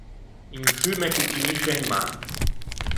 Un sciumme ch’o finisce in mâ.